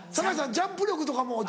ジャンプ力とかも。